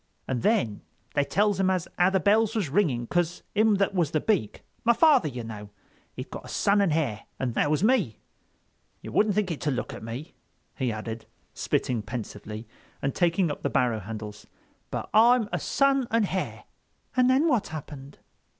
And then they tells him as how the bells was ringing 'cause him that was the Beak—my father, you know—he'd got a son and hare. And that was me. You wouldn't think it to look at me," he added, spitting pensively and taking up the barrow handles, "but I'm a son and hare." "And then what happened?"